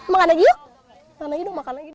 makan lagi yuk